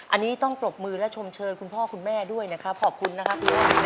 อันนี้ต้องปรบมือและชมเชยคุณพ่อคุณแม่ด้วยนะครับขอบคุณนะครับ